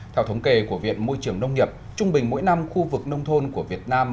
theo thống kê của viện môi trường nông nghiệp trung bình mỗi năm khu vực nông thôn của việt nam